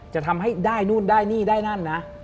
จะทำให้ได้นู่นได้นี่ได้นั่นนะ